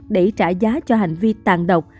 để trả giá cho hành vi tàn độc